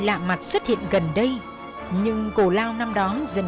là đi thôi